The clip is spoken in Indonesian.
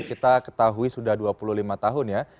kita ketahui sudah dua puluh lima tahun ya